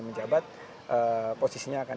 menjabat posisinya akan